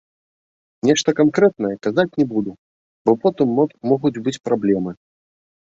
Нешта канкрэтнае казаць не буду, бо потым могуць быць праблемы.